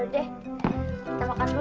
sekarang kamu tidur